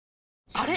あれ？